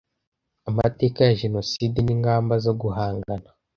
amateka ya Jenoside n ingamba zo guhangana